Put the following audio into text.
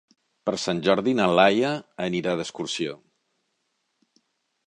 Per Sant Jordi na Laia anirà d'excursió.